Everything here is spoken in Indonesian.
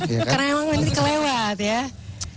karena emang mesti kelewat ya